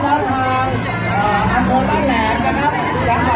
ขอบคุณมากนะคะแล้วก็แถวนี้ยังมีชาติของ